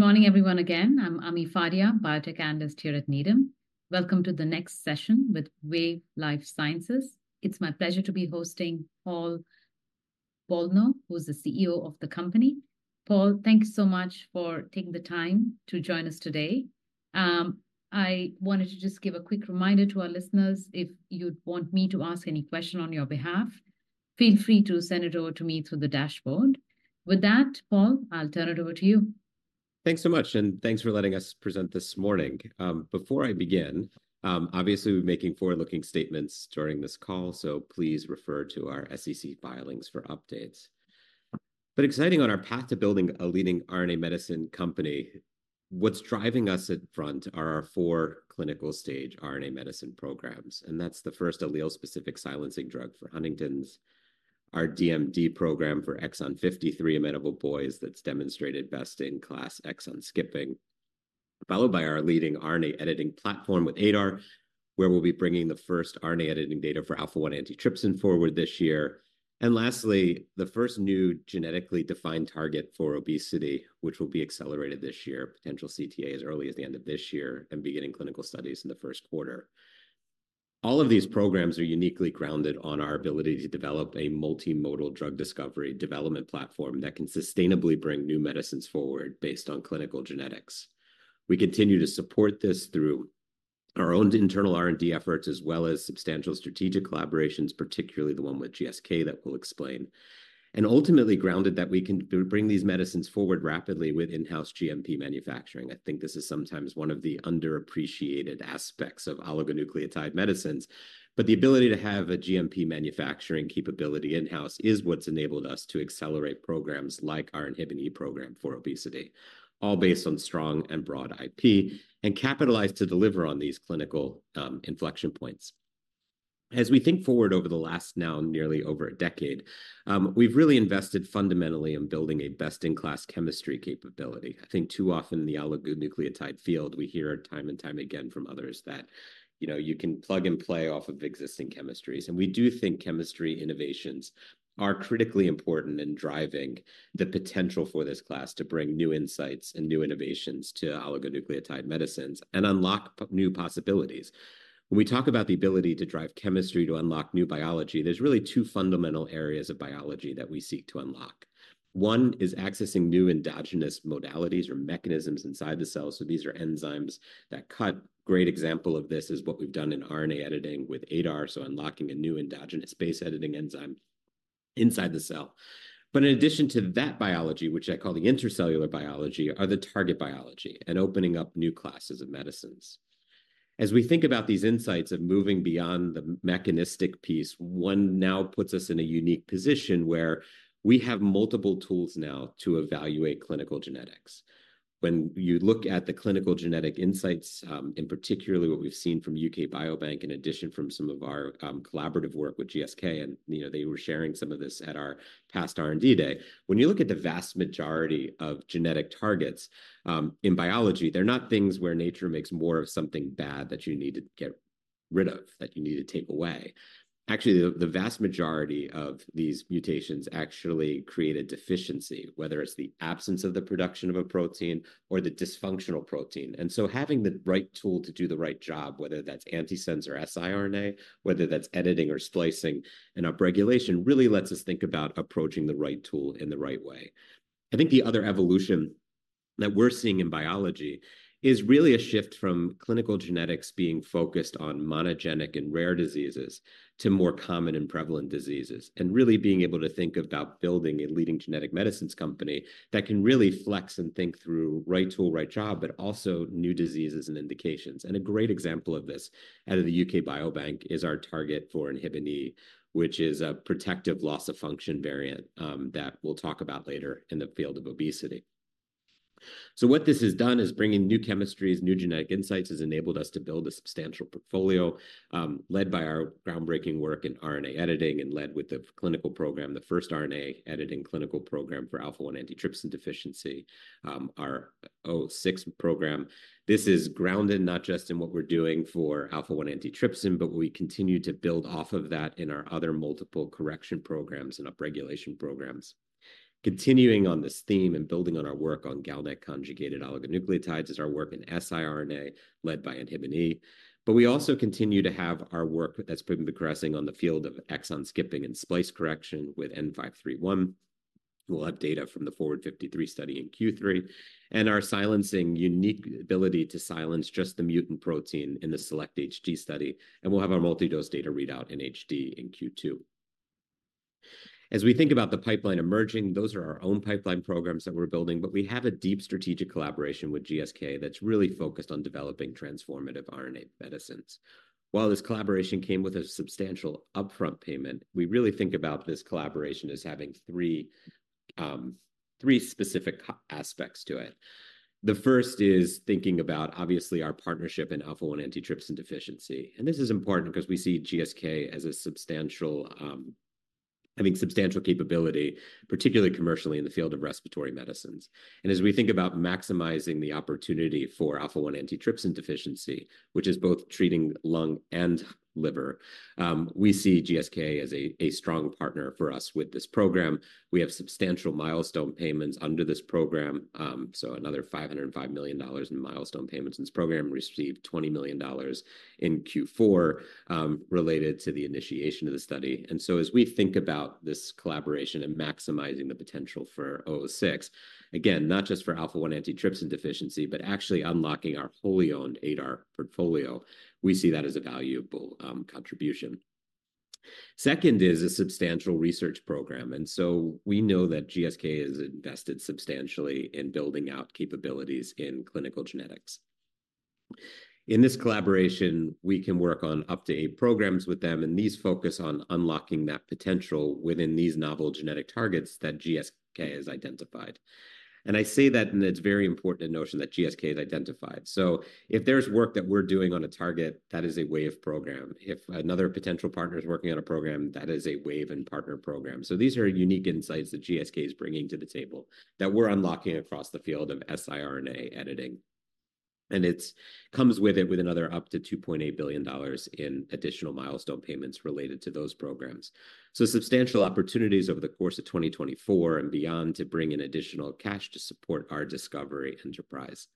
Good morning, everyone, again. I'm Ami Fadia, Biotech Analyst here at Needham. Welcome to the next session with Wave Life Sciences. It's my pleasure to be hosting Paul Bolno, who's the CEO of the company. Paul, thank you so much for taking the time to join us today. I wanted to just give a quick reminder to our listeners: if you'd want me to ask any question on your behalf, feel free to send it over to me through the dashboard. With that, Paul, I'll turn it over to you. Thanks so much, and thanks for letting us present this morning. Before I begin, obviously we're making forward-looking statements during this call, so please refer to our SEC filings for updates. But exciting on our path to building a leading RNA medicine company, what's driving us up front are our 4 clinical-stage RNA medicine programs, and that's the first allele-specific silencing drug for Huntington's, our DMD program for exon 53 amenable boys that's demonstrated best-in-class exon skipping, followed by our leading RNA editing platform with ADAR, where we'll be bringing the first RNA editing data for Alpha-1 antitrypsin forward this year. And lastly, the first new genetically defined target for obesity, which will be accelerated this year, potential CTA as early as the end of this year, and beginning clinical studies in the Q1. All of these programs are uniquely grounded on our ability to develop a multimodal drug discovery development platform that can sustainably bring new medicines forward based on clinical genetics. We continue to support this through our own internal R&D efforts, as well as substantial strategic collaborations, particularly the one with GSK that we'll explain, and ultimately grounded that we can bring these medicines forward rapidly with in-house GMP manufacturing. I think this is sometimes one of the underappreciated aspects of oligonucleotide medicines. But the ability to have a GMP manufacturing capability in-house is what's enabled us to accelerate programs like our Inhibin E program for obesity, all based on strong and broad IP, and capitalize to deliver on these clinical inflection points. As we think forward over the last now nearly over a decade, we've really invested fundamentally in building a best-in-class chemistry capability. I think too often in the oligonucleotide field we hear time and time again from others that, you know, you can plug and play off of existing chemistries. We do think chemistry innovations are critically important in driving the potential for this class to bring new insights and new innovations to oligonucleotide medicines and unlock new possibilities. When we talk about the ability to drive chemistry to unlock new biology, there's really two fundamental areas of biology that we seek to unlock. One is accessing new endogenous modalities or mechanisms inside the cell. So these are enzymes that cut, great example of this is what we've done in RNA editing with ADAR, so unlocking a new endogenous base editing enzyme inside the cell. But in addition to that biology, which I call the intercellular biology, are the target biology and opening up new classes of medicines. As we think about these insights of moving beyond the mechanistic piece, one now puts us in a unique position where we have multiple tools now to evaluate clinical genetics. When you look at the clinical genetic insights, and particularly what we've seen from UK Biobank, in addition from some of our collaborative work with GSK, and you know, they were sharing some of this at our past R&D Day, when you look at the vast majority of genetic targets, in biology, they're not things where nature makes more of something bad that you need to get rid of, that you need to take away. Actually, the vast majority of these mutations actually create a deficiency, whether it's the absence of the production of a protein or the dysfunctional protein. And so having the right tool to do the right job, whether that's antisense or siRNA, whether that's editing or splicing an upregulation, really lets us think about approaching the right tool in the right way. I think the other evolution that we're seeing in biology is really a shift from clinical genetics being focused on monogenic and rare diseases to more common and prevalent diseases, and really being able to think about building a leading genetic medicines company that can really flex and think through right tool, right job, but also new diseases and indications. A great example of this out of the UK Biobank is our target for Inhibin E, which is a protective loss of function variant, that we'll talk about later in the field of obesity. So what this has done is bringing new chemistries, new genetic insights has enabled us to build a substantial portfolio, led by our groundbreaking work in RNA editing, and led with the clinical program, the first RNA editing clinical program for Alpha-1 Antitrypsin Deficiency, our WVE-006 program. This is grounded not just in what we're doing for Alpha-1 Antitrypsin, but we continue to build off of that in our other multiple correction programs and upregulation programs. Continuing on this theme and building on our work on GalNAc conjugated oligonucleotides is our work in siRNA led by Inhibin E. But we also continue to have our work that's been progressing on the field of exon skipping and splice correction with WVE-N531. We'll have data from the FORWARD-53 study in Q3, and our silencing unique ability to silence just the mutant protein in the SELECT-HD study. We'll have our multidose data readout in HD in Q2. As we think about the pipeline emerging, those are our own pipeline programs that we're building. But we have a deep strategic collaboration with GSK that's really focused on developing transformative RNA medicines. While this collaboration came with a substantial upfront payment, we really think about this collaboration as having 3, 3 specific aspects to it. The first is thinking about, obviously, our partnership in Alpha-1 Antitrypsin Deficiency. And this is important because we see GSK as a substantial, having substantial capability, particularly commercially in the field of respiratory medicines. And as we think about maximizing the opportunity for Alpha-1 Antitrypsin Deficiency, which is both treating lung and liver, we see GSK as a strong partner for us with this program. We have substantial milestone payments under this program, so another $505 million in milestone payments in this program received $20 million in Q4, related to the initiation of the study. And so, as we think about this collaboration and maximizing the potential for 06, again, not just for Alpha-1 antitrypsin deficiency, but actually unlocking our wholly owned ADAR portfolio, we see that as a valuable contribution. Second is a substantial research program. And so we know that GSK has invested substantially in building out capabilities in clinical genetics. In this collaboration, we can work on up-to-date programs with them, and these focus on unlocking that potential within these novel genetic targets that GSK has identified. And I say that, and it's very important, a notion that GSK has identified. So if there's work that we're doing on a target that is a Wave program, if another potential partner is working on a program that is a Wave and partner program. So these are unique insights that GSK is bringing to the table that we're unlocking across the field of siRNA editing. And it comes with another up to $2.8 billion in additional milestone payments related to those programs. So substantial opportunities over the course of 2024 and beyond to bring in additional cash to support our discovery enterprise.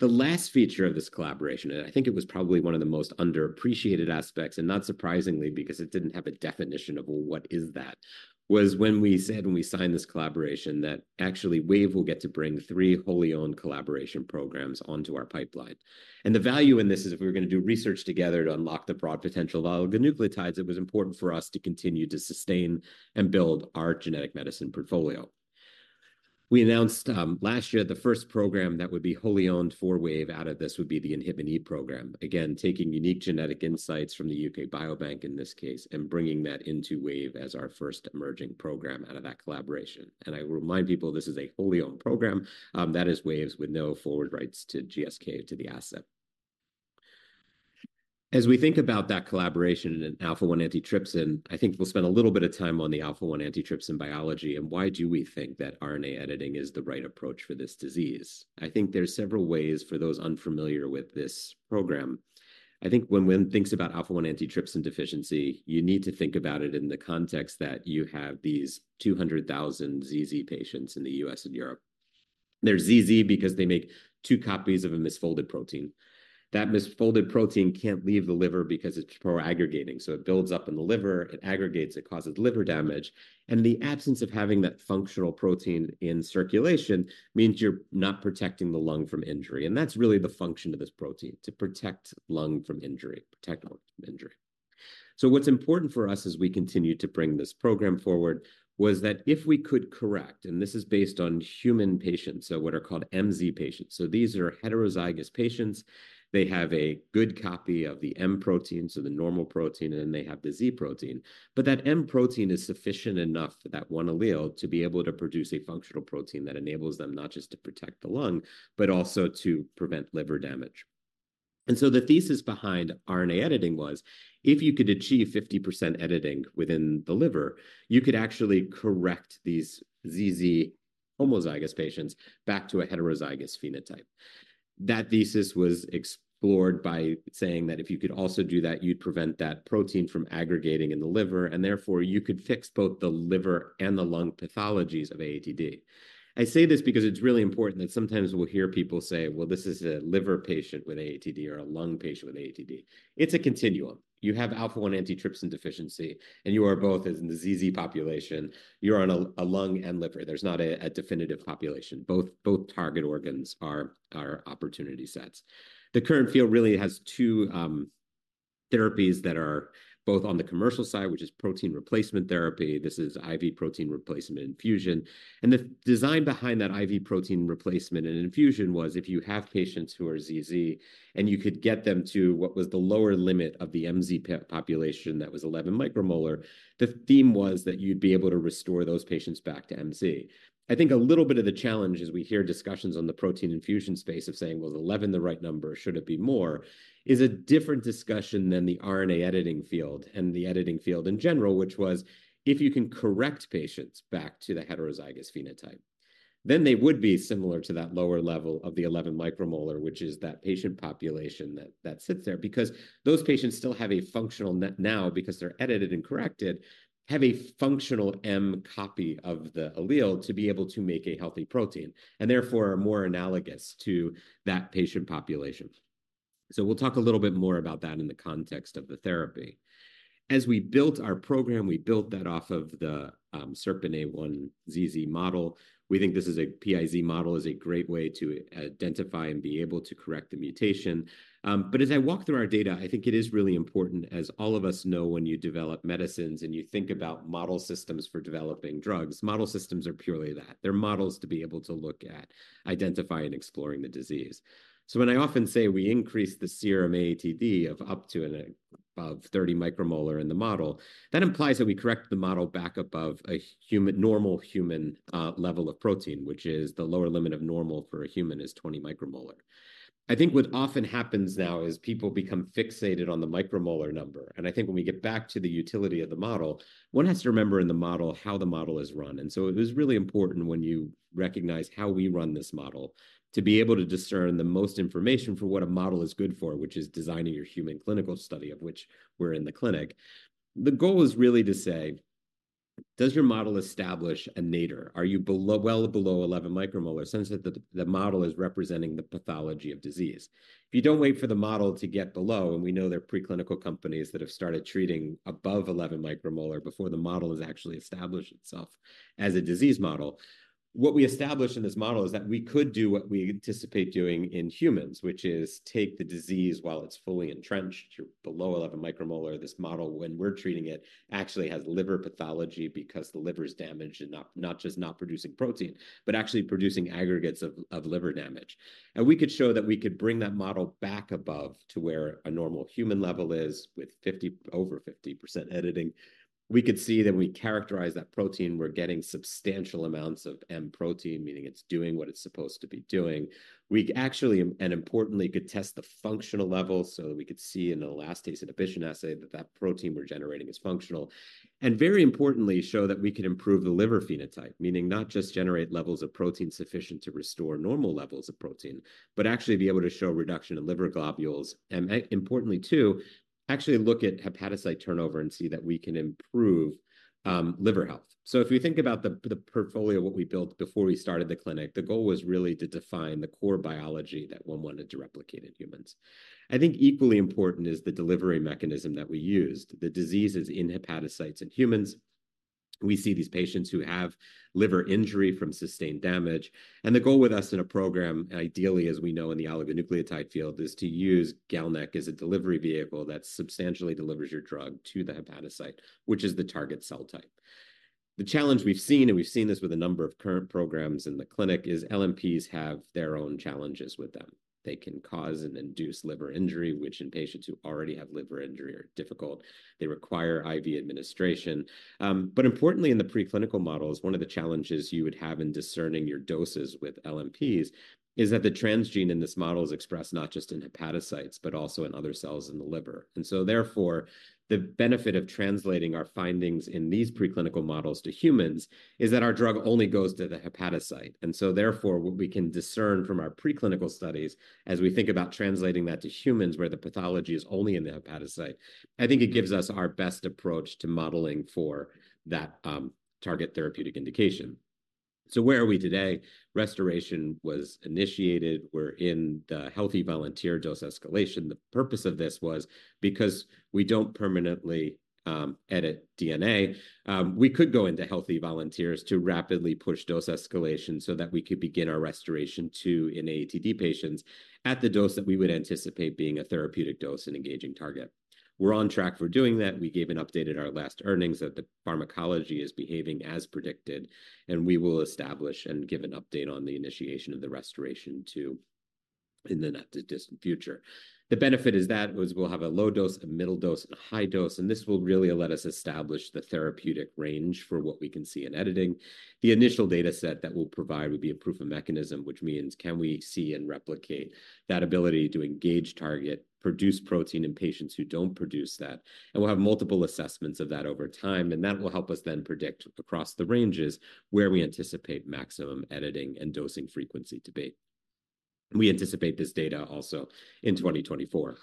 The last feature of this collaboration, and I think it was probably one of the most underappreciated aspects, and not surprisingly, because it didn't have a definition of what is that, was when we said, when we signed this collaboration, that actually Wave will get to bring 3 wholly owned collaboration programs onto our pipeline. The value in this is, if we're going to do research together to unlock the broad potential of oligonucleotides, it was important for us to continue to sustain and build our genetic medicine portfolio. We announced last year the first program that would be wholly owned for Wave out of this would be the Inhibin E program, again, taking unique genetic insights from the UK Biobank in this case, and bringing that into Wave as our first emerging program out of that collaboration. I will remind people, this is a wholly owned program that is Wave's with no forward rights to GSK to the asset. As we think about that collaboration and alpha-1 antitrypsin, I think we'll spend a little bit of time on the alpha-1 antitrypsin biology. Why do we think that RNA editing is the right approach for this disease? I think there's several ways for those unfamiliar with this program. I think when one thinks about Alpha-1 Antitrypsin Deficiency, you need to think about it in the context that you have these 200,000 ZZ patients in the US and Europe. They're ZZ because they make 2 copies of a misfolded protein. That misfolded protein can't leave the liver because it's proaggregating. So it builds up in the liver. It aggregates. It causes liver damage. And the absence of having that functional protein in circulation means you're not protecting the lung from injury. And that's really the function of this protein: to protect lung from injury, protect lung from injury. So what's important for us, as we continue to bring this program forward, was that if we could correct, and this is based on human patients, so what are called MZ patients, so these are heterozygous patients. They have a good copy of the M protein, so the normal protein, and then they have the Z protein. But that M protein is sufficient enough, that one allele, to be able to produce a functional protein that enables them not just to protect the lung, but also to prevent liver damage. And so the thesis behind RNA editing was, if you could achieve 50% editing within the liver, you could actually correct these ZZ homozygous patients back to a heterozygous phenotype. That thesis was explored by saying that if you could also do that, you'd prevent that protein from aggregating in the liver, and therefore you could fix both the liver and the lung pathologies of AATD. I say this because it's really important that sometimes we'll hear people say, "Well, this is a liver patient with AATD," or "a lung patient with AATD." It's a continuum. You have Alpha-1 antitrypsin deficiency, and you are both in the ZZ population. You're on a lung and liver. There's not a definitive population. Both target organs are opportunity sets. The current field really has 2 therapies that are both on the commercial side, which is protein replacement therapy. This is IV protein replacement infusion. And the design behind that IV protein replacement and infusion was, if you have patients who are ZZ, and you could get them to what was the lower limit of the MZ population that was 11 micromolar, the theme was that you'd be able to restore those patients back to MZ. I think a little bit of the challenge, as we hear discussions on the protein infusion space of saying, "Well, is 11 the right number? Should it be more?" is a different discussion than the RNA editing field and the editing field in general, which was, if you can correct patients back to the heterozygous phenotype, then they would be similar to that lower level of the 11 micromolar, which is that patient population that sits there, because those patients still have a functional net now, because they're edited and corrected, have a functional M copy of the allele to be able to make a healthy protein, and therefore are more analogous to that patient population. So we'll talk a little bit more about that in the context of the therapy. As we built our program, we built that off of the SERPINA1 ZZ model. We think this is a PiZ model, is a great way to identify and be able to correct the mutation. As I walk through our data, I think it is really important, as all of us know, when you develop medicines and you think about model systems for developing drugs, model systems are purely that. They're models to be able to look at, identify, and exploring the disease. So when I often say we increase the serum AAT of up to and above 30 micromolar in the model, that implies that we correct the model back above a human, normal human level of protein, which is the lower limit of normal for a human is 20 micromolar. I think what often happens now is people become fixated on the micromolar number. And I think when we get back to the utility of the model, one has to remember in the model how the model is run. And so it was really important when you recognize how we run this model to be able to discern the most information for what a model is good for, which is designing your human clinical study of which we're in the clinic. The goal is really to say, does your model establish a nadir? Are you below, well below 11 micromolar? Since the model is representing the pathology of disease. If you don't wait for the model to get below, and we know there are preclinical companies that have started treating above 11 micromolar before the model has actually established itself as a disease model. What we establish in this model is that we could do what we anticipate doing in humans, which is take the disease while it's fully entrenched or below 11 micromolar. This model, when we're treating it, actually has liver pathology, because the liver is damaged and not just not producing protein, but actually producing aggregates of liver damage. We could show that we could bring that model back above to where a normal human level is with over 50% editing. We could see that we characterize that protein. We're getting substantial amounts of M protein, meaning it's doing what it's supposed to be doing. We actually, and importantly, could test the functional level so that we could see in the elastase inhibition assay that that protein we're generating is functional, and very importantly, show that we could improve the liver phenotype, meaning not just generate levels of protein sufficient to restore normal levels of protein, but actually be able to show reduction in liver globules. And importantly, to actually look at hepatocyte turnover and see that we can improve liver health. So if we think about the portfolio what we built before we started the clinic, the goal was really to define the core biology that one wanted to replicate in humans. I think equally important is the delivery mechanism that we used. The disease is in hepatocytes in humans. We see these patients who have liver injury from sustained damage. And the goal with us in a program, ideally, as we know in the oligonucleotide field, is to use GalNAc as a delivery vehicle that substantially delivers your drug to the hepatocyte, which is the target cell type. The challenge we've seen, and we've seen this with a number of current programs in the clinic, is LNPs have their own challenges with them. They can cause and induce liver injury, which in patients who already have liver injury are difficult. They require IV administration. Importantly, in the preclinical models, one of the challenges you would have in discerning your doses with LNPs is that the transgene in this model is expressed not just in hepatocytes, but also in other cells in the liver. And so, therefore, the benefit of translating our findings in these preclinical models to humans is that our drug only goes to the hepatocyte. And so, therefore, what we can discern from our preclinical studies, as we think about translating that to humans, where the pathology is only in the hepatocyte, I think it gives us our best approach to modeling for that target therapeutic indication. So where are we today? RestorAATion was initiated. We're in the healthy volunteer dose escalation. The purpose of this was because we don't permanently edit DNA. We could go into healthy volunteers to rapidly push dose escalation so that we could begin our RestorAATion-2 in AATD patients at the dose that we would anticipate being a therapeutic dose and engaging target. We're on track for doing that. We gave an update in our last earnings that the pharmacology is behaving as predicted, and we will expect to give an update on the initiation of the RestorAATion-2 in the not too distant future. The benefit is that we'll have a low dose, a middle dose, and a high dose. And this will really let us establish the therapeutic range for what we can see in editing. The initial data set that we'll provide would be a proof of mechanism, which means, can we see and replicate that ability to engage target, produce protein in patients who don't produce that? And we'll have multiple assessments of that over time, and that will help us then predict across the ranges where we anticipate maximum editing and dosing frequency to be. We anticipate this data also in 2024.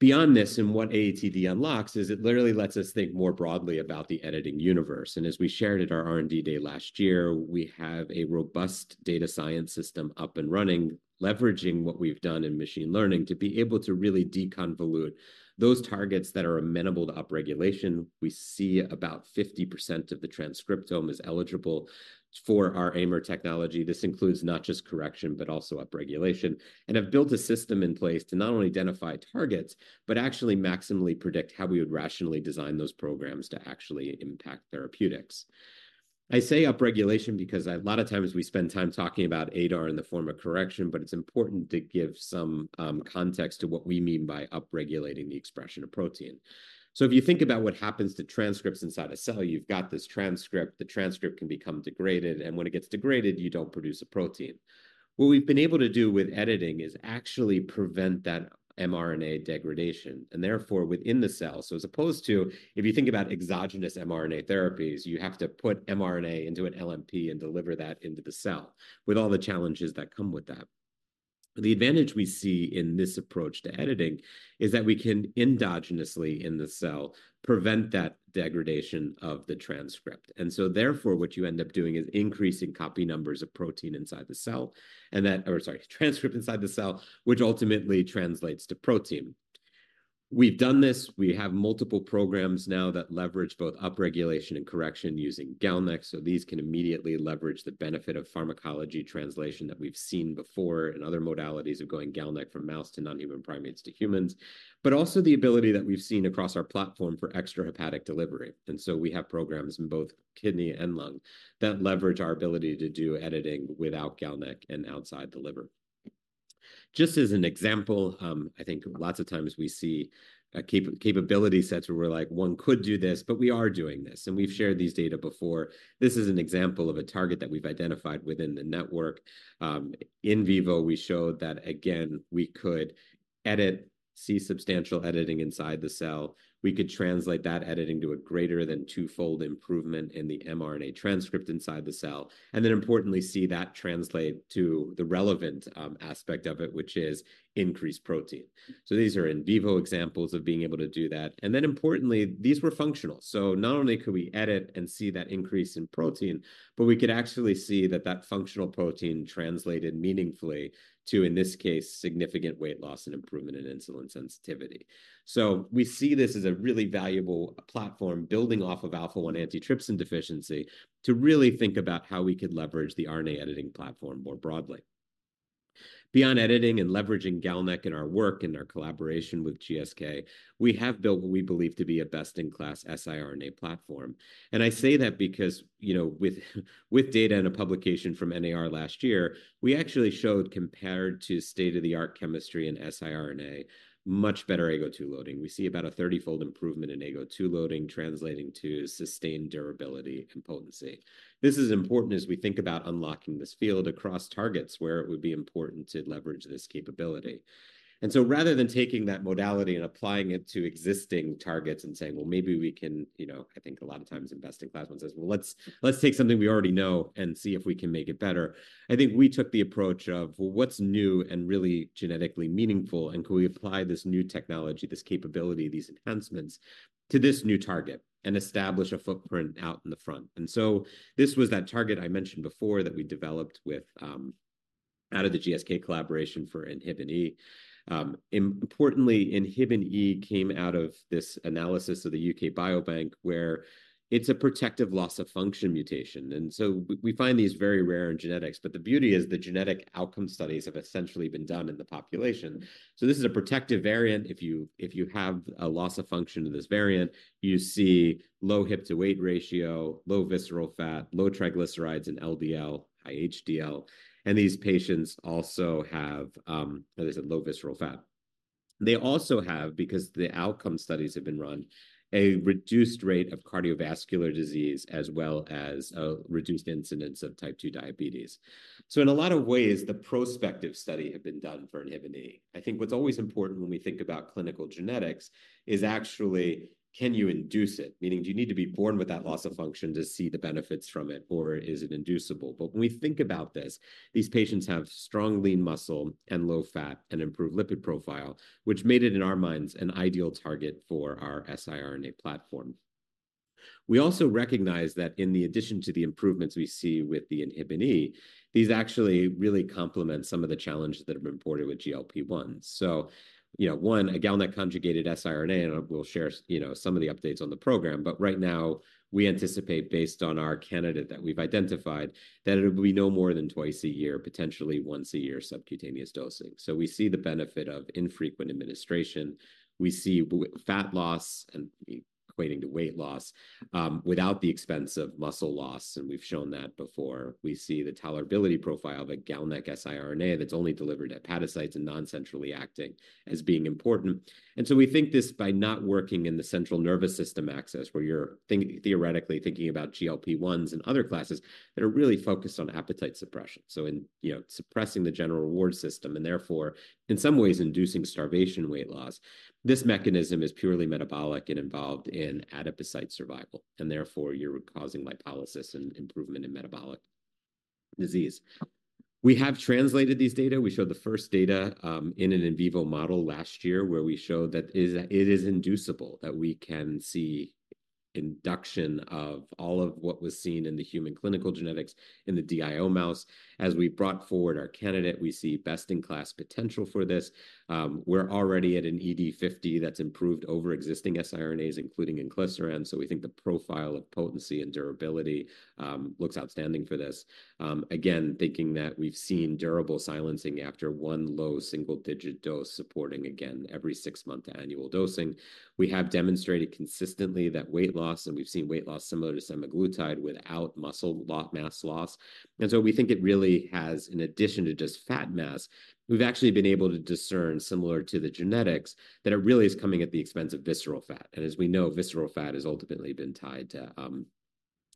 Beyond this, and what AATD unlocks is it literally lets us think more broadly about the editing universe. And as we shared at our R&D day last year, we have a robust data science system up and running, leveraging what we've done in machine learning to be able to really deconvolute those targets that are amenable to upregulation. We see about 50% of the transcriptome is eligible for our AIMer technology. This includes not just correction, but also upregulation, and have built a system in place to not only identify targets, but actually maximally predict how we would rationally design those programs to actually impact therapeutics. I say upregulation because a lot of times we spend time talking about ADAR in the form of correction. But it's important to give some context to what we mean by upregulating the expression of protein. So if you think about what happens to transcripts inside a cell, you've got this transcript. The transcript can become degraded, and when it gets degraded, you don't produce a protein. What we've been able to do with editing is actually prevent that mRNA degradation, and therefore within the cell. So as opposed to if you think about exogenous mRNA therapies, you have to put mRNA into an LNP and deliver that into the cell with all the challenges that come with that. The advantage we see in this approach to editing is that we can endogenously in the cell prevent that degradation of the transcript. And so, therefore, what you end up doing is increasing copy numbers of protein inside the cell and that, or sorry, transcript inside the cell, which ultimately translates to protein. We've done this. We have multiple programs now that leverage both upregulation and correction using GalNAc. So these can immediately leverage the benefit of pharmacology translation that we've seen before in other modalities of going GalNAc from mouse to non-human primates to humans, but also the ability that we've seen across our platform for extrahepatic delivery. And so we have programs in both kidney and lung that leverage our ability to do editing without GalNAc and outside the liver. Just as an example, I think lots of times we see a capability sets where we're like, one could do this, but we are doing this, and we've shared these data before. This is an example of a target that we've identified within the network. In vivo, we showed that again, we could edit, see substantial editing inside the cell. We could translate that editing to a greater than twofold improvement in the mRNA transcript inside the cell, and then, importantly, see that translate to the relevant aspect of it, which is increased protein. So these are in vivo examples of being able to do that. And then, importantly, these were functional. So not only could we edit and see that increase in protein, but we could actually see that that functional protein translated meaningfully to, in this case, significant weight loss and improvement in insulin sensitivity. So we see this as a really valuable platform building off of alpha-1 antitrypsin deficiency to really think about how we could leverage the RNA editing platform more broadly. Beyond editing and leveraging GalNAc in our work and our collaboration with GSK, we have built what we believe to be a best-in-class siRNA platform. And I say that because, you know, with data and a publication from NAR last year, we actually showed, compared to state-of-the-art chemistry and siRNA, much better AGO2 loading. We see about a 30-fold improvement in AGO2 loading, translating to sustained durability and potency. This is important as we think about unlocking this field across targets where it would be important to leverage this capability. And so, rather than taking that modality and applying it to existing targets and saying, well, maybe we can, you know, I think a lot of times investing class one says, well, let's take something we already know and see if we can make it better. I think we took the approach of, well, what's new and really genetically meaningful? And could we apply this new technology, this capability, these enhancements to this new target and establish a footprint out in the front? And so this was that target I mentioned before that we developed with, out of the GSK collaboration for Inhibin E. Importantly, Inhibin E came out of this analysis of the UK Biobank, where it's a protective loss of function mutation. We find these very rare in genetics. The beauty is the genetic outcome studies have essentially been done in the population. This is a protective variant. If you have a loss of function in this variant, you see low hip to weight ratio, low visceral fat, low triglycerides, and LDL, high HDL. These patients also have, as I said, low visceral fat. They also have, because the outcome studies have been run, a reduced rate of cardiovascular disease, as well as a reduced incidence of type 2 diabetes. In a lot of ways, the prospective studies have been done for Inhibin E. I think what's always important when we think about clinical genetics is actually, can you induce it? Meaning, do you need to be born with that loss of function to see the benefits from it, or is it inducible? But when we think about this, these patients have strong lean muscle and low fat and improved lipid profile, which made it, in our minds, an ideal target for our siRNA platform. We also recognize that, in addition to the improvements we see with the Inhibin E, these actually really complement some of the challenges that have been posed with GLP-1. So, you know, one, a GalNAc-conjugated siRNA. And we'll share, you know, some of the updates on the program. But right now we anticipate, based on our candidate that we've identified, that it will be no more than twice a year, potentially once a year, subcutaneous dosing. So we see the benefit of infrequent administration. We see fat loss, equating to weight loss, without the expense of muscle loss. And we've shown that before. We see the tolerability profile of a GalNAc siRNA that's only delivered to hepatocytes and non-centrally acting as being important. So we think this, by not working in the central nervous system, as where you're thinking theoretically about GLP-1s and other classes that are really focused on appetite suppression. So in, you know, suppressing the general reward system, and therefore, in some ways, inducing starvation weight loss. This mechanism is purely metabolic and involved in adipocyte survival, and therefore you're causing lipolysis and improvement in metabolic disease. We have translated these data. We showed the first data, in an in vivo model last year, where we show that it is inducible, that we can see induction of all of what was seen in the human clinical genetics in the DIO mouse. As we brought forward our candidate, we see best-in-class potential for this. We're already at an ED50 that's improved over existing siRNAs, including inclisiran. So we think the profile of potency and durability looks outstanding for this. Again, thinking that we've seen durable silencing after one low single-digit dose supporting again every 6-month annual dosing. We have demonstrated consistently that weight loss, and we've seen weight loss similar to semaglutide without muscle mass loss. And so we think it really has, in addition to just fat mass, we've actually been able to discern, similar to the genetics, that it really is coming at the expense of visceral fat. And as we know, visceral fat has ultimately been tied to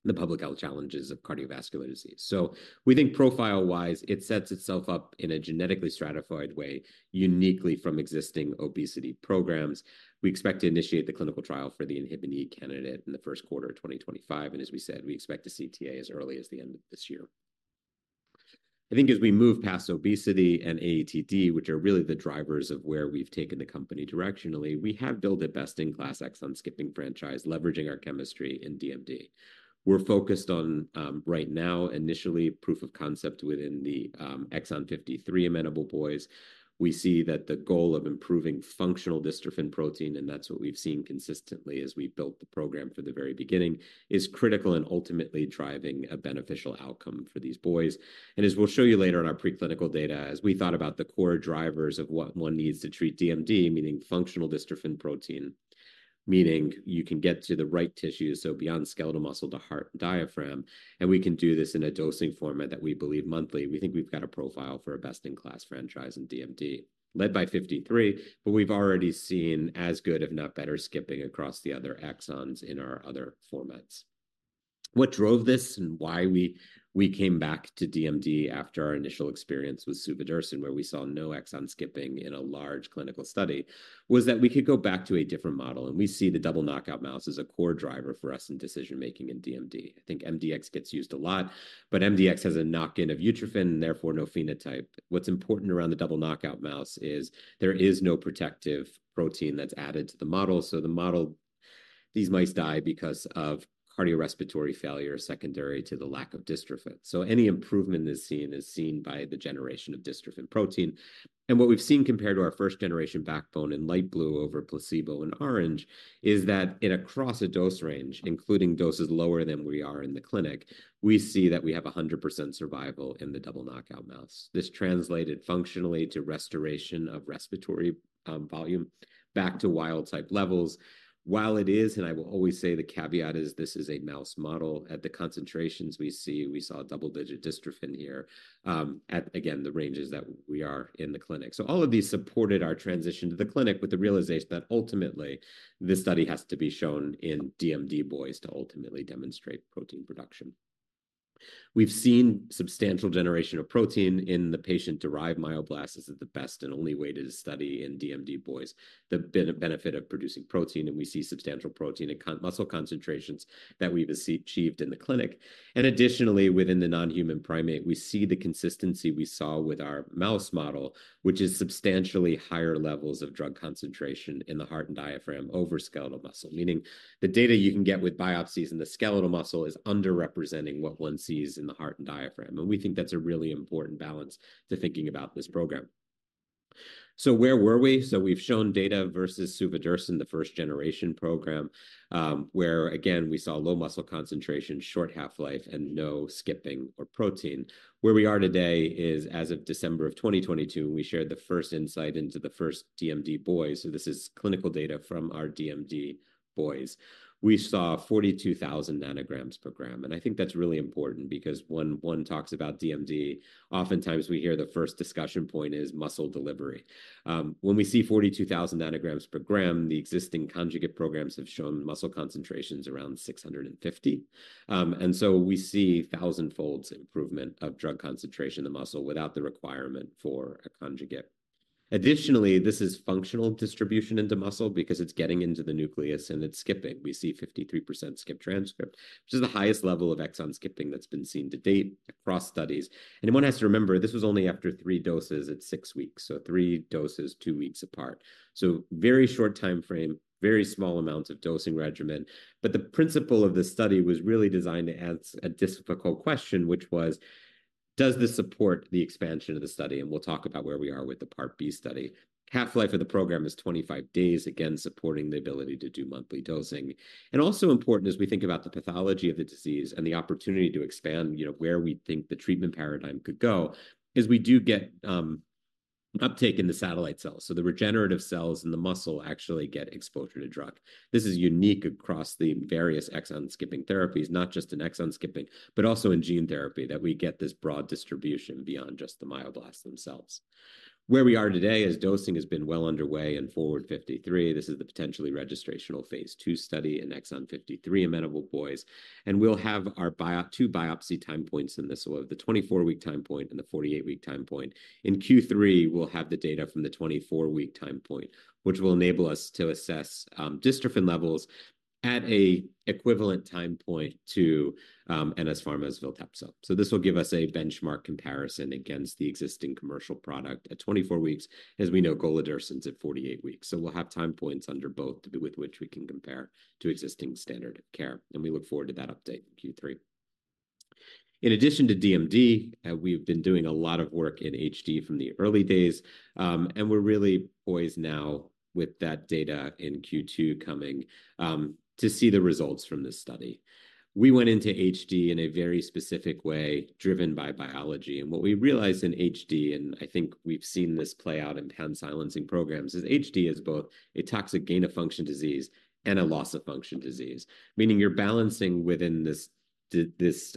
the public health challenges of cardiovascular disease. So we think profile-wise it sets itself up in a genetically stratified way, uniquely from existing obesity programs. We expect to initiate the clinical trial for the Inhibin E candidate in the Q1 of 2025. As we said, we expect to see TA as early as the end of this year. I think, as we move past obesity and AATD, which are really the drivers of where we've taken the company directionally, we have built a best-in-class exon skipping franchise, leveraging our chemistry in DMD. We're focused on, right now, initially proof of concept within the, exon 53 amenable boys. We see that the goal of improving functional dystrophin protein, and that's what we've seen consistently as we built the program for the very beginning, is critical and ultimately driving a beneficial outcome for these boys. As we'll show you later in our preclinical data, as we thought about the core drivers of what one needs to treat DMD, meaning functional dystrophin protein, meaning you can get to the right tissues. So beyond skeletal muscle to heart and diaphragm. And we can do this in a dosing format that we believe monthly. We think we've got a profile for a best-in-class franchise in DMD led by 53, but we've already seen as good, if not better, skipping across the other exons in our other formats. What drove this and why we came back to DMD after our initial experience with suvodirsen, where we saw no exon skipping in a large clinical study, was that we could go back to a different model. And we see the double knockout mouse as a core driver for us in decision making in DMD. I think mdx gets used a lot, but mdx has a knock-in of utrophin, and therefore no phenotype. What's important around the double knockout mouse is there is no protective protein that's added to the model. So the model. These mice die because of cardiorespiratory failure secondary to the lack of dystrophin. So any improvement is seen is seen by the generation of dystrophin protein. And what we've seen compared to our first generation backbone in light blue over placebo and orange is that in across a dose range, including doses lower than we are in the clinic, we see that we have 100% survival in the double knockout mouse. This translated functionally to restoration of respiratory volume back to wild-type levels. While it is, and I will always say, the caveat is, this is a mouse model at the concentrations we see. We saw double-digit dystrophin here, at again the ranges that we are in the clinic. So all of these supported our transition to the clinic with the realization that ultimately this study has to be shown in DMD boys to ultimately demonstrate protein production. We've seen substantial generation of protein in the patient-derived myoblasts as the best and only way to study in DMD boys the benefit of producing protein. And we see substantial protein at muscle concentrations that we've achieved in the clinic. And additionally, within the non-human primate, we see the consistency we saw with our mouse model, which is substantially higher levels of drug concentration in the heart and diaphragm over skeletal muscle, meaning the data you can get with biopsies in the skeletal muscle is underrepresenting what one sees in the heart and diaphragm. And we think that's a really important balance to thinking about this program. So where were we? So we've shown data versus suvodirsen, the first generation program, where again we saw low muscle concentration, short half-life, and no skipping or protein. Where we are today is, as of December of 2022, we shared the first insight into the first DMD boys. So this is clinical data from our DMD boys. We saw 42,000 nanograms per gram. And I think that's really important, because when one talks about DMD, oftentimes we hear the first discussion point is muscle delivery. When we see 42,000 nanograms per gram, the existing conjugate programs have shown muscle concentrations around 650. And so we see thousandfolds improvement of drug concentration in the muscle without the requirement for a conjugate. Additionally, this is functional distribution into muscle because it's getting into the nucleus, and it's skipping. We see 53% skip transcript, which is the highest level of exon skipping that's been seen to date across studies. One has to remember, this was only after 3 doses at 6 weeks, so 3 doses 2 weeks apart. Very short timeframe, very small amounts of dosing regimen. But the principle of this study was really designed to answer a difficult question, which was, does this support the expansion of the study? We'll talk about where we are with the Part B study. Half-life of the program is 25 days, again supporting the ability to do monthly dosing. Also important as we think about the pathology of the disease and the opportunity to expand, you know, where we think the treatment paradigm could go is we do get uptake in the satellite cells. So the regenerative cells in the muscle actually get exposure to drug. This is unique across the various exon skipping therapies, not just in exon skipping, but also in gene therapy, that we get this broad distribution beyond just the myoblasts themselves. Where we are today is dosing has been well underway in FORWARD-53. This is the potentially registrational phase 2 study in exon 53 amenable boys, and we'll have our two biopsy time points in this, so of the 24-week time point and the 48-week time point in Q3. We'll have the data from the 24-week time point, which will enable us to assess dystrophin levels at an equivalent time point to NS Pharma's Viltepso. So this will give us a benchmark comparison against the existing commercial product at 24 weeks, as we know golodirsen's at 48 weeks. So we'll have time points under both to be with which we can compare to existing standard of care, and we look forward to that update in Q3. In addition to DMD, we've been doing a lot of work in HD from the early days, and we're really always now with that data in Q2 coming, to see the results from this study. We went into HD in a very specific way, driven by biology. And what we realize in HD, and I think we've seen this play out in pan-silencing programs, is HD is both a toxic gain of function disease and a loss of function disease, meaning you're balancing within this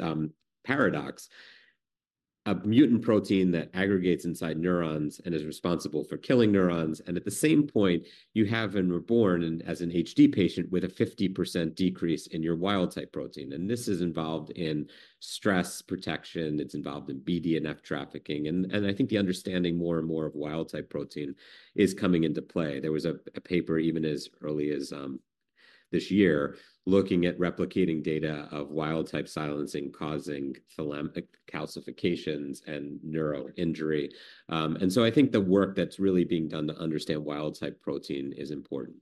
paradox, a mutant protein that aggregates inside neurons and is responsible for killing neurons. And at the same point you have and were born and as an HD patient with a 50% decrease in your wild type protein. And this is involved in stress protection. It's involved in BDNF trafficking. And I think the understanding more and more of wild type protein is coming into play. There was a paper, even as early as this year, looking at replicating data of wild type silencing causing thalamic calcifications and neuro injury. And so I think the work that's really being done to understand wild type protein is important.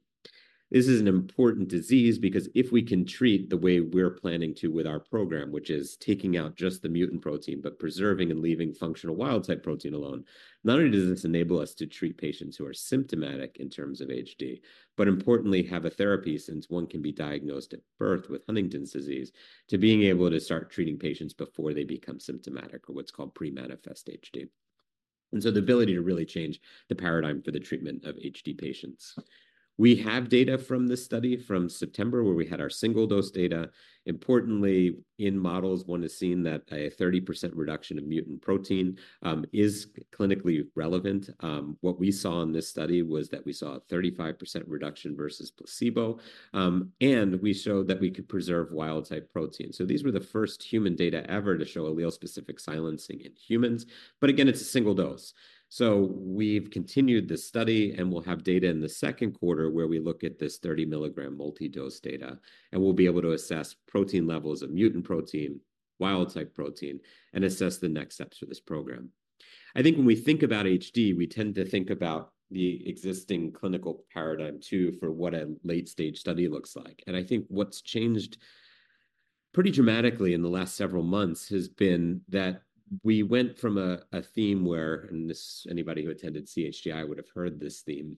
This is an important disease, because if we can treat the way we're planning to with our program, which is taking out just the mutant protein, but preserving and leaving functional wild-type protein alone, not only does this enable us to treat patients who are symptomatic in terms of HD, but importantly, have a therapy, since one can be diagnosed at birth with Huntington's disease, to being able to start treating patients before they become symptomatic, or what's called pre-manifest HD. And so the ability to really change the paradigm for the treatment of HD patients. We have data from this study from September, where we had our single dose data. Importantly, in models, one has seen that a 30% reduction of mutant protein is clinically relevant. What we saw in this study was that we saw a 35% reduction versus placebo, and we showed that we could preserve wild type protein. So these were the first human data ever to show allele-specific silencing in humans. But again, it's a single dose. So we've continued this study, and we'll have data in the Q2, where we look at this 30 milligram multi-dose data, and we'll be able to assess protein levels of mutant protein, wild type protein, and assess the next steps for this program. I think when we think about HD, we tend to think about the existing clinical paradigm, too, for what a late-stage study looks like. And I think what's changed pretty dramatically in the last several months has been that we went from a theme where, and this anybody who attended CHDI would have heard this theme.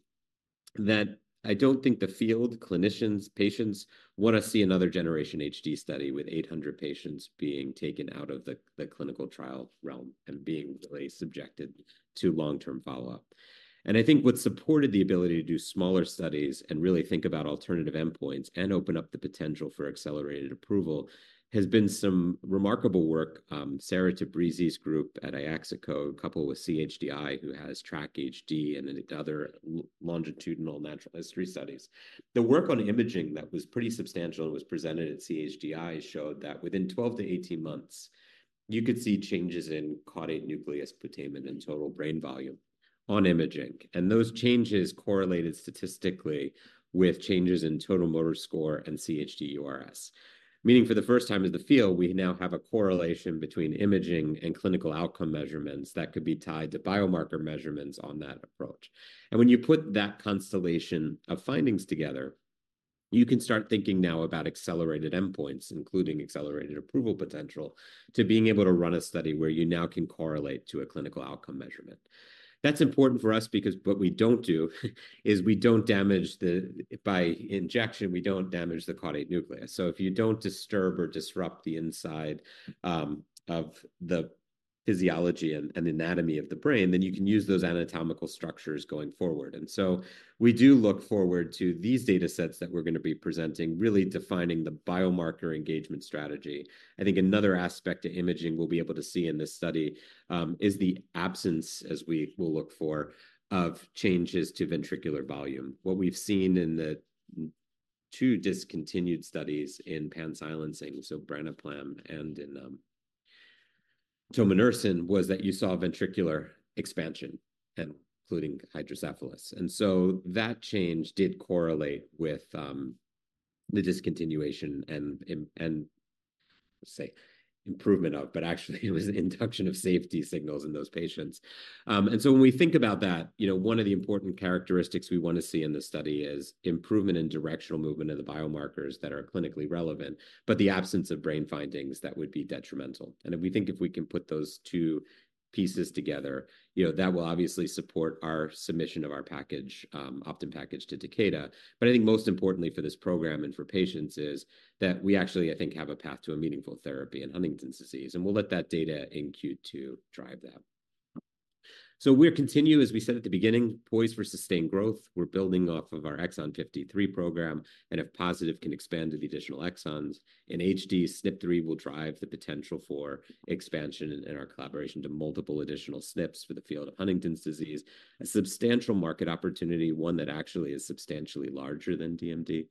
That, I don't think the field clinicians, patients want to see another generation HD study with 800 patients being taken out of the the clinical trial realm and being really subjected to long-term follow-up. I think what supported the ability to do smaller studies and really think about alternative endpoints and open up the potential for accelerated approval has been some remarkable work. Sarah Tabrizi's group at IXICO, along with CHDI, who has tracked HD and other longitudinal natural history studies. The work on imaging that was pretty substantial and was presented at CHDI showed that within 12-18 months you could see changes in caudate nucleus putamen and total brain volume on imaging, and those changes correlated statistically with changes in total motor score and UHDRS. Meaning, for the first time in the field, we now have a correlation between imaging and clinical outcome measurements that could be tied to biomarker measurements on that approach. And when you put that constellation of findings together, you can start thinking now about accelerated endpoints, including accelerated approval potential, to being able to run a study where you now can correlate to a clinical outcome measurement. That's important for us, because what we don't do is we don't damage the brain by injection. We don't damage the caudate nucleus. So if you don't disturb or disrupt the inside of the physiology and anatomy of the brain, then you can use those anatomical structures going forward. And so we do look forward to these data sets that we're going to be presenting, really defining the biomarker engagement strategy. I think another aspect to imaging we'll be able to see in this study is the absence, as we will look for, of changes to ventricular volume. What we've seen in the two discontinued studies in pan-silencing, so branaplam and tominersen, was that you saw ventricular expansion, including hydrocephalus. And so that change did correlate with the discontinuation and, say, improvement of, but actually it was the induction of safety signals in those patients. And so when we think about that, you know, one of the important characteristics we want to see in this study is improvement in directional movement of the biomarkers that are clinically relevant, but the absence of brain findings that would be detrimental. And if we think we can put those two pieces together, you know, that will obviously support our submission of our package, our data package to Takeda. But I think most importantly for this program and for patients is that we actually, I think, have a path to a meaningful therapy in Huntington's disease, and we'll let that data in Q2 drive that. So we're continue, as we said at the beginning, poised for sustained growth. We're building off of our exon 53 program, and if positive can expand to the additional exons in HD. SNP 3 will drive the potential for expansion and our collaboration to multiple additional SNPs for the field of Huntington's disease, a substantial market opportunity, one that actually is substantially larger than DMD.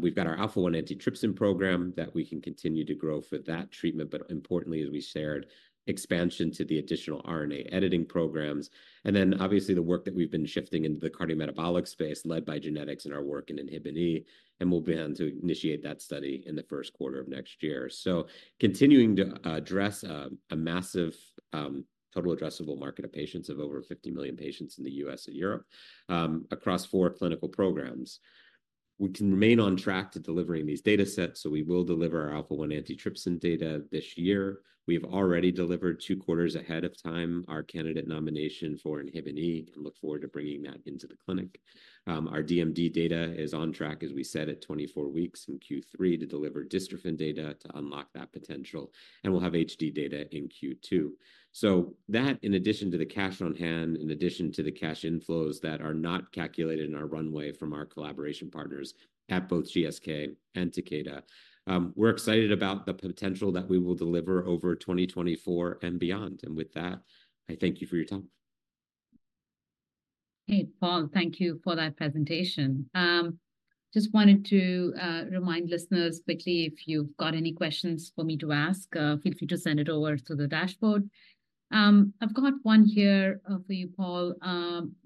We've got our Alpha-1 antitrypsin program that we can continue to grow for that treatment. But importantly, as we shared, expansion to the additional RNA editing programs, and then obviously the work that we've been shifting into the cardiometabolic space led by genetics and our work in Inhibin E, and we'll begin to initiate that study in the Q1 of next year. So continuing to address a massive, total addressable market of patients of over 50 million patients in the U.S. and Europe, across 4 clinical programs. We can remain on track to delivering these data sets. So we will deliver our Alpha-1 antitrypsin data this year. We have already delivered 2 quarters ahead of time our candidate nomination for Inhibin E and look forward to bringing that into the clinic. Our DMD data is on track, as we said, at 24 weeks in Q3 to deliver dystrophin data to unlock that potential, and we'll have HD data in Q2. So that, in addition to the cash on hand, in addition to the cash inflows that are not calculated in our runway from our collaboration partners at both GSK and Takeda, we're excited about the potential that we will deliver over 2024 and beyond. And with that, I thank you for your time. Hey, Paul, thank you for that presentation. Just wanted to remind listeners quickly, if you've got any questions for me to ask, feel free to send it over to the dashboard. I've got one here for you, Paul.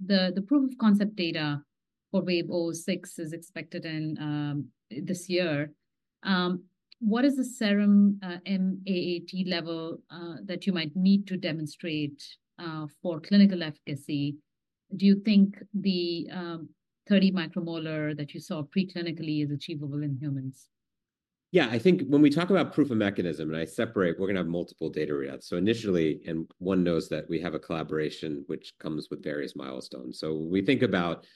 The proof of concept data for WVE-006 is expected in this year. What is the serum AAT level that you might need to demonstrate for clinical efficacy? Do you think the 30 micromolar that you saw preclinically is achievable in humans? Yeah, I think when we talk about proof of mechanism, and I separate, we're going to have multiple data reads. So initially, and one knows that we have a collaboration which comes with various milestones. So we think about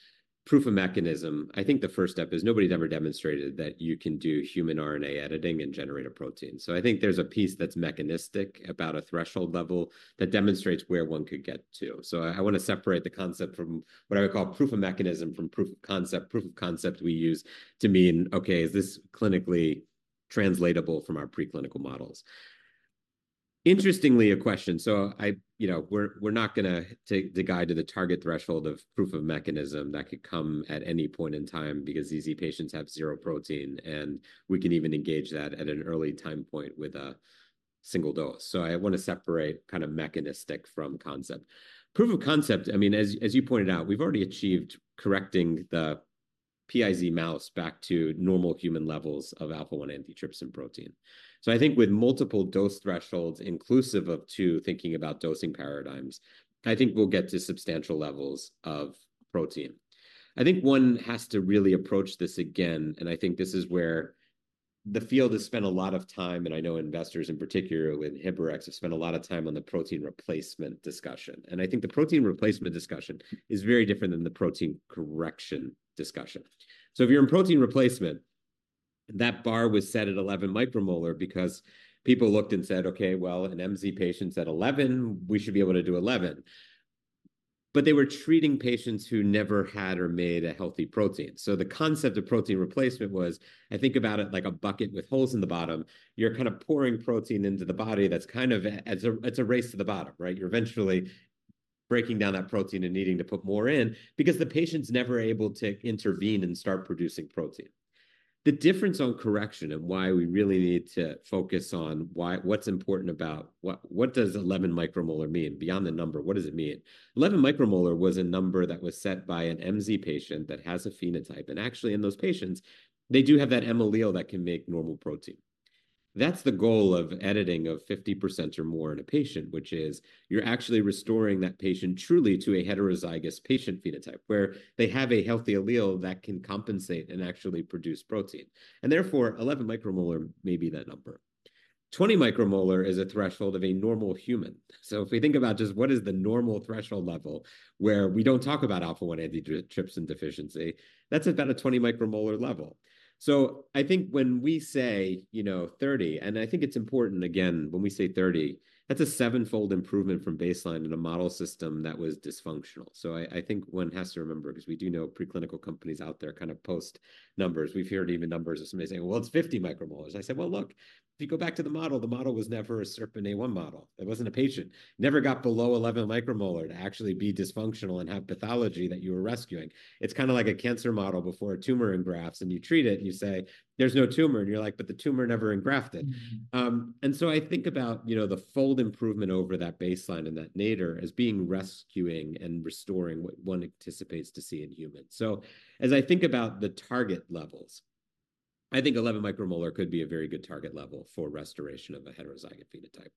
proof of mechanism. I think the first step is nobody's ever demonstrated that you can do human RNA editing and generate a protein. So I think there's a piece that's mechanistic about a threshold level that demonstrates where one could get to. So I want to separate the concept from what I would call proof of mechanism from proof of concept. Proof of concept we use to mean, okay, is this clinically translatable from our preclinical models? Interestingly, a question. So, I, you know, we're not gonna guide to the target threshold of proof of mechanism that could come at any point in time, because these patients have 0 protein, and we can even engage that at an early time point with a single dose. So I want to separate kind of mechanistic from concept. Proof of concept. I mean, as you pointed out, we've already achieved correcting the PiZ mouse back to normal human levels of Alpha-1 antitrypsin protein. So I think with multiple dose thresholds, inclusive of 2, thinking about dosing paradigms, I think we'll get to substantial levels of protein. I think one has to really approach this again. And I think this is where the field has spent a lot of time, and I know investors in particular with Inhibrx have spent a lot of time on the protein replacement discussion. I think the protein replacement discussion is very different than the protein correction discussion. So if you're in protein replacement, that bar was set at 11 micromolar because people looked and said, okay, well, an MZ patient said 11, we should be able to do 11. But they were treating patients who never had or made a healthy protein. So the concept of protein replacement was, I think about it like a bucket with holes in the bottom. You're kind of pouring protein into the body. That's kind of a race to the bottom, right? You're eventually breaking down that protein and needing to put more in, because the patient's never able to intervene and start producing protein. The difference on correction, and why we really need to focus on why, what's important about what? What does 11 micromolar mean beyond the number? What does it mean? 11 micromolar was a number that was set by an MZ patient that has a phenotype. And actually, in those patients, they do have that M allele that can make normal protein. That's the goal of editing of 50% or more in a patient, which is you're actually restoring that patient truly to a heterozygous patient phenotype, where they have a healthy allele that can compensate and actually produce protein. And therefore, 11 micromolar may be that number. 20 micromolar is a threshold of a normal human. So if we think about just what is the normal threshold level where we don't talk about Alpha-1 antitrypsin deficiency, that's about a 20 micromolar level. So I think when we say, you know, 30, and I think it's important again, when we say 30, that's a 7-fold improvement from baseline in a model system that was dysfunctional. So I think one has to remember, because we do know preclinical companies out there kind of post numbers. We've heard even numbers of some saying, well, it's 50 micromolar. I said, well, look, if you go back to the model, the model was never a SERPINA1 model. It wasn't. A patient never got below 11 micromolar to actually be dysfunctional and have pathology that you were rescuing. It's kind of like a cancer model before a tumor engrafts, and you treat it, and you say, there's no tumor, and you're like, but the tumor never engrafted. And so I think about, you know, the fold improvement over that baseline and that nadir as being rescuing and restoring what one anticipates to see in humans. So as I think about the target levels, I think 11 micromolar could be a very good target level for restoration of a heterozygous phenotype.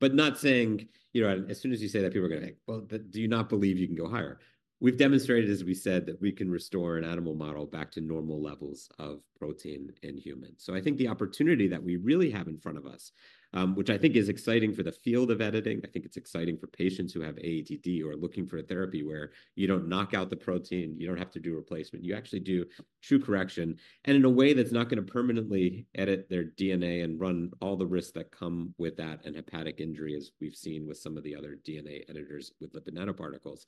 But not saying, you know, as soon as you say that, people are going to, well, do you not believe you can go higher? We've demonstrated, as we said, that we can restore an animal model back to normal levels of protein in humans. So I think the opportunity that we really have in front of us, which I think is exciting for the field of editing. I think it's exciting for patients who have AATD or are looking for a therapy where you don't knock out the protein. You don't have to do replacement. You actually do true correction, and in a way that's not going to permanently edit their DNA and run all the risks that come with that and hepatic injury, as we've seen with some of the other DNA editors with lipid nanoparticles,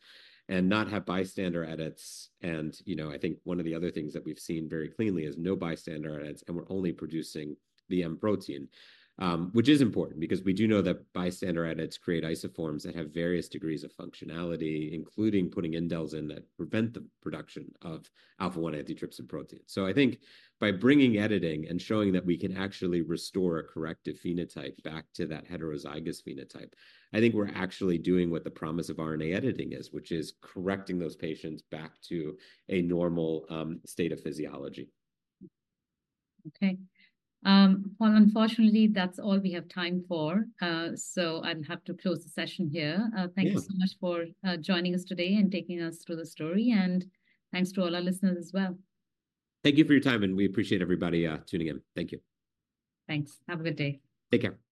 and not have bystander edits. You know, I think one of the other things that we've seen very cleanly is no bystander edits, and we're only producing the M protein, which is important, because we do know that bystander edits create isoforms that have various degrees of functionality, including putting indels in that prevent the production of Alpha-1 antitrypsin protein. I think by bringing editing and showing that we can actually restore a corrective phenotype back to that heterozygous phenotype, I think we're actually doing what the promise of RNA editing is, which is correcting those patients back to a normal state of physiology. Okay. Paul, unfortunately, that's all we have time for. So I'll have to close the session here. Thank you so much for joining us today and taking us through the story, and thanks to all our listeners as well. Thank you for your time, and we appreciate everybody tuning in. Thank you. Thanks. Have a good day. Take care.